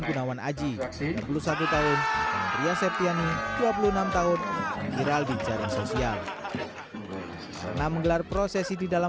gunawan aji dua puluh satu tahun ria septiani dua puluh enam tahun viral di jaring sosial karena menggelar prosesi di dalam